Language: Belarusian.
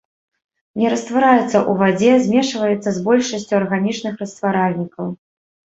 Не раствараецца ў вадзе, змешваецца з большасцю арганічных растваральнікаў.